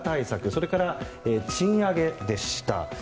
それから、賃上げでした。